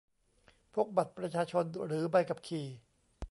พกบัตรประชาชน หรือ ใบขับขี่